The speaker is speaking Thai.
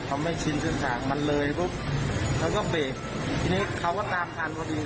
เขาไม่ชินสถานการณ์มันเลยเพราะเขาก็เบบทีนี้เขาก็นามทางเขาบิน